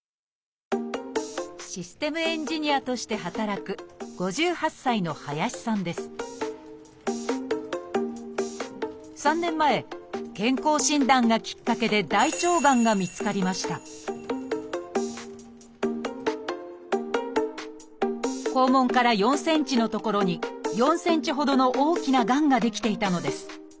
システムエンジニアとして働く３年前健康診断がきっかけで大腸がんが見つかりました肛門から４ｃｍの所に４ｃｍほどの大きながんが出来ていたのです。